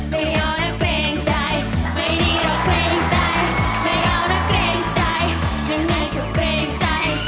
ไม่เอานะเกรงใจไม่ดีหรอกเกรงใจ